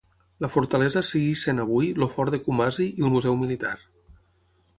La fortalesa segueix sent avui el fort de Kumasi i el museu militar.